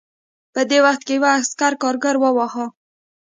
په دې وخت کې یو عسکر کارګر وواهه